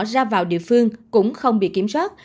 ra vào địa phương cũng không bị kiểm soát